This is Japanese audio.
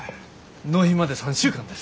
納品まで３週間です。